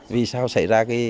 vì sao xảy ra